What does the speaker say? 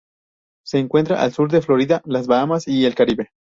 Se encuentra al sur de Florida, las Bahamas y el Caribe.